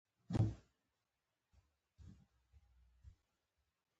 رښتينی ملګری هميشه ستا تر شا ولاړ دی